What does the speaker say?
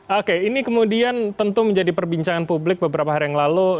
oke ini kemudian tentu menjadi perbincangan publik beberapa hari yang lalu